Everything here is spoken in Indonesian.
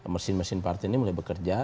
mesin mesin partai ini mulai bekerja